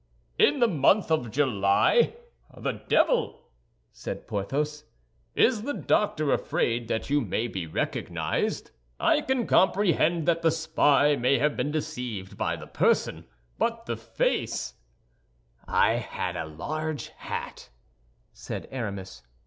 "In the month of July? The devil!" said Porthos. "Is the doctor afraid that you may be recognized?" "I can comprehend that the spy may have been deceived by the person; but the face—" "I had a large hat," said Aramis.